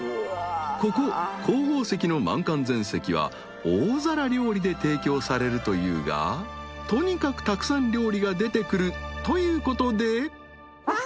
［ここ紅宝石の満漢全席は大皿料理で提供されるというがとにかくたくさん料理が出てくるということで］